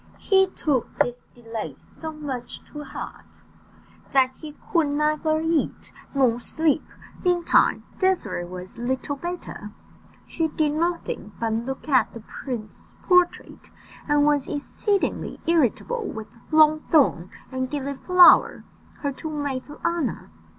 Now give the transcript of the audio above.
He took this delay so much to heart, that he could neither eat nor sleep; meantime Désirée was little better she did nothing but look at the prince's portrait, and was exceedingly irritable with Longthorn and Gilliflower, her two maids of honour.